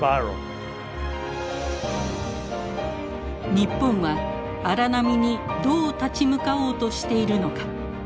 日本は荒波にどう立ち向かおうとしているのか。